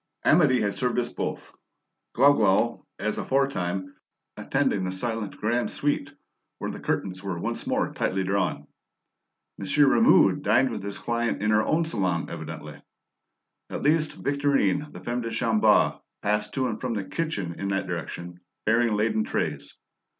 Amedee had served us both; Glouglou, as aforetime, attending the silent "Grande Suite," where the curtains were once more tightly drawn. Monsieur Rameau dined with his client in her own salon, evidently; at least, Victorine, the femme de chambre, passed to and from the kitchen in that direction, bearing laden trays.